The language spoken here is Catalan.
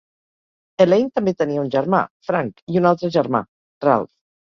Elaine també tenia un germà, Frank, i un altre germà, Ralph.